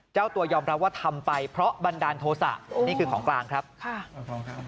เจ้าตัวยอมรับว่าทำไปเพราะบันดาลโทษะนี่คือของกลางครับค่ะ